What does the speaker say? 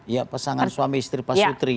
ya pasangan suami istri pak sutri